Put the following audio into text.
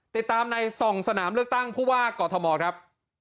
ติดตามใน๒สนามเลือกตั้งผู้ว่ากอทมครับ